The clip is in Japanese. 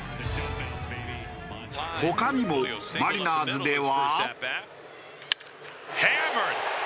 他にもマリナーズでは。